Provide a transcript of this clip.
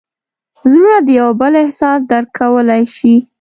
زړونه د یو بل احساس درک کولی شي.